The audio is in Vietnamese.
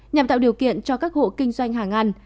nhằm tạo điều kiện cho các hộ kinh doanh hàng ăn